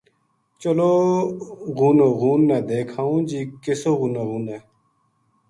چلوں غونو غون نا دیکھ آوں جی کِسو غونو غون ہے